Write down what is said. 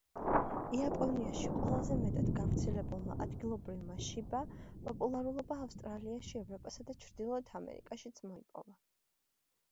იაპონიაში ყველაზე მეტად გავრცელებულმა ადგილობრივმა შიბა, პოპულარობა ავსტრალიაში, ევროპასა და ჩრდილოეთ ამერიკაშიც მოიპოვა.